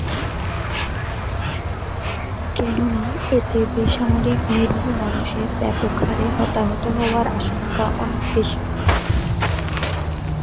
কেননা, এতে বেসামরিক নিরীহ মানুষের ব্যাপক হারে হতাহত হওয়ার আশঙ্কা অনেক বেশি।